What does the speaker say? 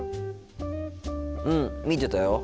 うん見てたよ。